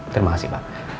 terima kasih pak